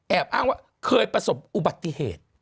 อ้างว่าเคยประสบอุบัติเหตุ